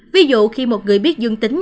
ví dụ khi một người biết dương tính